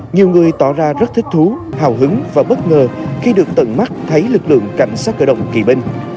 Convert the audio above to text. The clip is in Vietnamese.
nhiều người tỏ ra rất thích thú hào hứng và bất ngờ khi được tận mắt thấy lực lượng cảnh sát cơ động kỳ binh